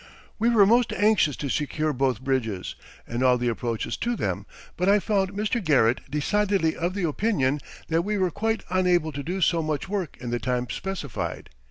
We were most anxious to secure both bridges and all the approaches to them, but I found Mr. Garrett decidedly of the opinion that we were quite unable to do so much work in the time specified.